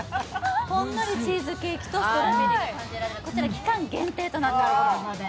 ほんのりチーズケーキとストロベリーが感じられる、こちら期間限定となっています。